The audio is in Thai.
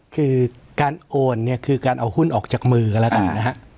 คือการโอนเนี่ยคือการเอาหุ้นออกจากมือกันแล้วกันนะฮะ